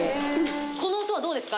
この音はどうですか？